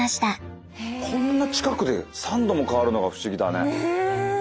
こんな近くで３度も変わるのが不思議だね。